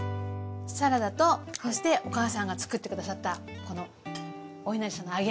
サラダとそしてお母さんが作ってくださったこのおいなりさんの揚げ。